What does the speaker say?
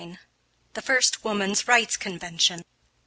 THE FIRST WOMAN'S RIGHTS CONVENTION.